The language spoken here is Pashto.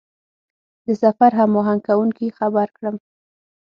د سفر هماهنګ کوونکي خبر کړم.